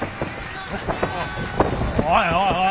おいおい